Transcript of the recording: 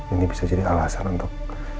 ini bisa jadi alasan untuk